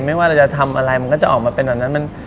ไม่ว่าเราจะทำอะไรมันก็จะออกมาเป็นแบบนั้น